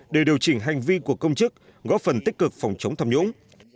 để điều chỉnh hành vi của công chức góp phần tích cực phòng chống tham nhũng